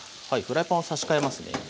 フライパンを差し替えますね。